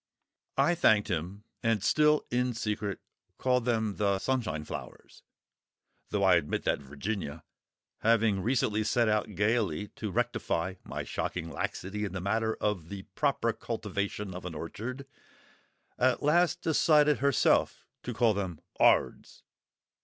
I thanked him, and still, in secret, call them the Sunshine flowers—though I admit that Virginia, having recently set out gaily to rectify my shocking laxity in the matter of the proper cultivation of an orchard, at last decided herself to call them "'Ards."